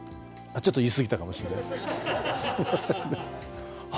ちょっと言い過ぎたかもしれないです。